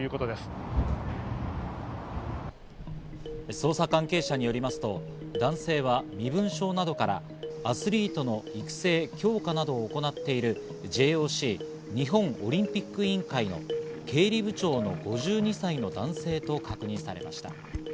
捜査関係者によりますと、男性は身分証などからアスリートの育成・強化などを行っているＪＯＣ＝日本オリンピック委員会の経理部長の５２歳の男性と確認されました。